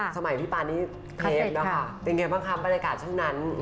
สมัยพี่ปานนี้เพลงเป็นยังไงบ้างค่ะบรรยากาศเท่านั้น